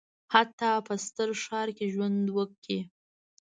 حتی که په ستر ښار کې ژوند وکړي.